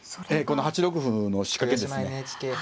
この８六歩の仕掛けですね。